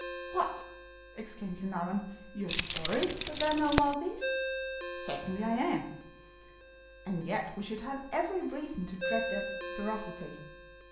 "What!" exclaimed Glenarvan, "you are sorry there are no wild beasts?" "Certainly I am." "And yet we should have every reason to dread their ferocity."